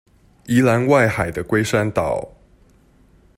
宜蘭外海的龜山島